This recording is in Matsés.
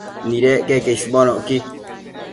Nidec queque isbonocqui